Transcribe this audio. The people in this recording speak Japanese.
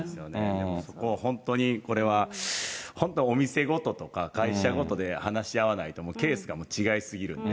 でもそこは本当にこれは本当に、お店ごととか、会社ごとで話し合わないと、もうケースが違いすぎるんで。